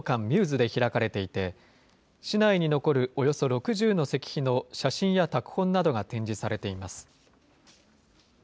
ミューズで開かれていて、市内に残るおよそ６０の石碑の写真や拓本などが展示されています。